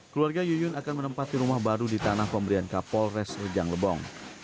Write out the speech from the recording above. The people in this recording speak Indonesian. keluarga yuyun akan menempati rumah baru di tanah pemberian kapolres rejang lebong